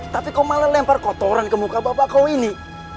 tapi kau malah lempar kotoran ke muka bapak kau ini